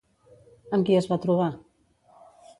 Amb qui es va trobar?